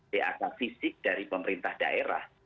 dak fisik dari pemerintah daerah